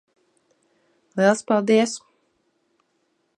Liels paldies.